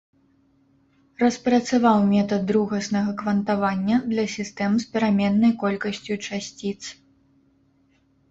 Распрацаваў метад другаснага квантавання для сістэм з пераменнай колькасцю часціц.